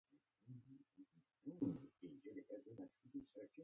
دې پېښې ته پلازموپټایسس وایي.